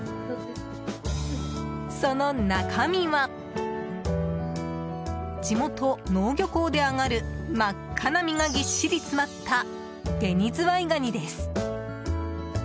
その中身は地元・能生漁港で揚がる真っ赤な身がぎっしり詰まったベニズワイガニです。